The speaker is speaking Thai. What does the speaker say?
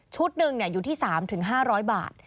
ชุดหนึ่งอยู่ที่๓ถึง๕๐๐บาท